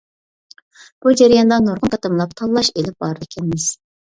بۇ جەرياندا نۇرغۇن قېتىملاپ تاللاش ئېلىپ بارىدىكەنمىز.